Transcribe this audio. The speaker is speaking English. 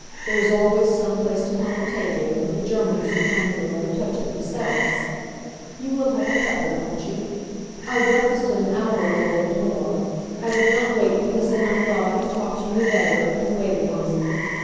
There is always some placed upon the table, but the Germans who come here never touch it themselves. You will have a cutlet, won't you? I breakfasted an hour ago, and more. I would not wait because then I thought I could talk to you better, and wait upon you.